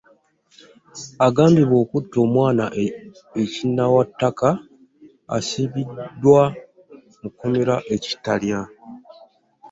Agambibwa okutta omwana e Kinnawataka asindikiddwa mu kkomera e Kitalya.